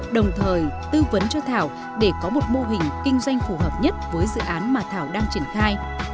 đồng thời tư vấn cho thảo để có một mô hình kinh doanh phù hợp nhất với dự án mà thảo đang triển khai